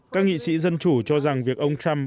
các nghị sĩ dân chủ cho rằng việc ông trump